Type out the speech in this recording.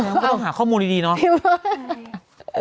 ก็ต้องหาข้อมูลดีเนาะ